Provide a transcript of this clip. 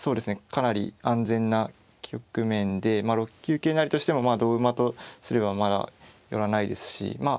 かなり安全な局面で６九桂成としても同馬とすればまあ寄らないですしまあ